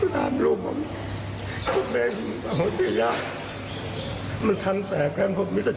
แล้วก็ไม่เคยว่าใส่ร้ายป้ายสีใคร